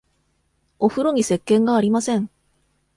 おふろにせっけんがありません。